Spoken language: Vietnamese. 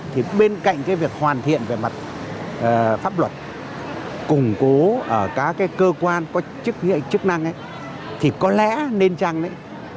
thì bên cạnh cái việc hoàn thiện về mặt pháp luật củng cố ở các cái cơ quan có chức năng ấy